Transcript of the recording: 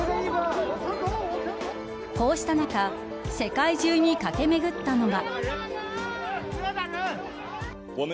こうした中世界中にかけめぐったのが。